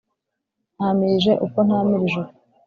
ntamirije uko ntamirije uku.